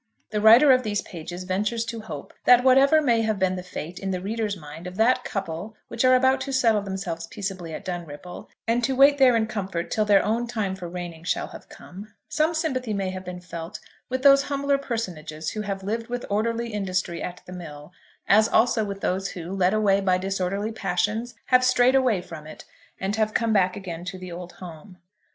The writer of these pages ventures to hope that whatever may have been the fate in the readers' mind of that couple which are about to settle themselves peaceably at Dunripple, and to wait there in comfort till their own time for reigning shall have come, some sympathy may have been felt with those humbler personages who have lived with orderly industry at the mill, as, also, with those who, led away by disorderly passions, have strayed away from it, and have come back again to the old home.